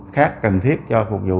khác cần thiết cho phục vụ